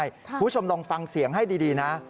คุณผู้ชมลองฟังเสียงให้ดีนะ